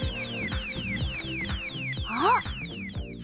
あっ！